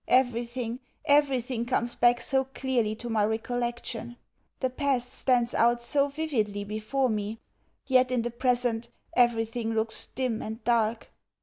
Everything, everything comes back so clearly to my recollection! The past stands out so vividly before me! Yet in the present everything looks dim and dark!